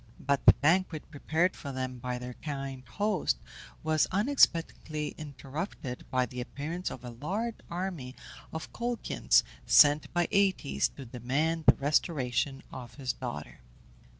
But the banquet prepared for them by their kind host was unexpectedly interrupted by the appearance of a large army of Colchians, sent by Aëtes to demand the restoration of his daughter.